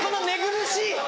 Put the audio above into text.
寝苦しい！